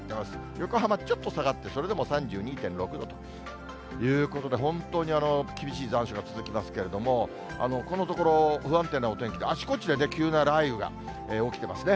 横浜、ちょっと下がって、それでも３２．６度ということで、本当に厳しい残暑が続きますけれども、このところ、不安定なお天気で、あちこちで急な雷雨が起きてますね。